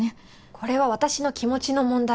これは私の気持ちの問題で。